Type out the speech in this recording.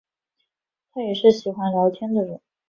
她也是喜欢聊天的人